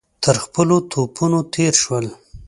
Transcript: تر خپلو توپونو تېر شول.